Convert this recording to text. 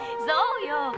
そうよ。